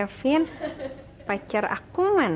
kevin pacar aku mana